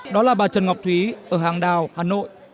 đó là bà trần ngọc thúy ở hàng đào hà nội